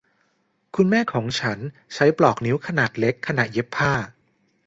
คุณแม่ของฉันใช้ปลอกนิ้วขนาดเล็กขณะเย็บผ้า